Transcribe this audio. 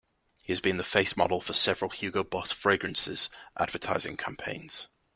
He has been the face model for several Hugo Boss fragrances advertising campaigns.